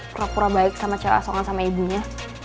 kerap kerap baik sama cewek asongan sama ibunya